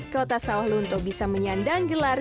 kota sawahlunto bisa menyandang gelar